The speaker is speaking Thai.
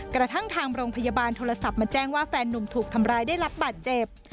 กระทั่งทางโรงพยาบาลโทรศัพท์มาแจ้งว่าแฟนนุ่มถูกทำร้ายได้รับบาดเจ็บ